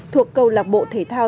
thuộc cầu lạc bộ thể thao